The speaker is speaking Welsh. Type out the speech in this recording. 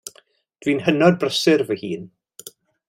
Dwi'n hynod brysur fy hun.